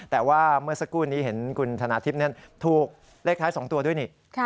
แต่ว่าเมื่อสักครู่นี้เห็นคุณธนาทิพย์นั้นถูกเลขท้าย๒ตัวด้วยนี่